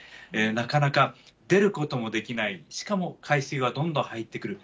なかなか出ることもできない、しかも海水はどんどん入ってくる。